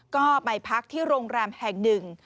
ก็ไปพักที่โรงแรมแห่งหนึ่ง